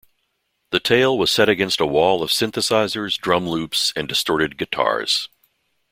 The tale was set against a wall of synthesizers, drum loops and distorted guitars.